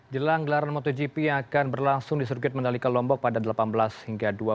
jelang gelaran motogp yang akan berlangsung di sirkuit mandalika lombok pada delapan belas hingga dua puluh